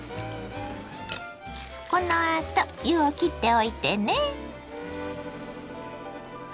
このあと湯をきっておいてね。